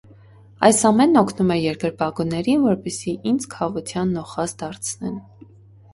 Այս ամենն օգնում էր երկրպագուներին, որպեսզի ինձ քավության նոխազ դարձնեն։